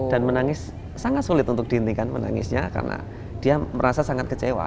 dan menangis sangat sulit untuk dihentikan menangisnya karena dia merasa sangat kecewa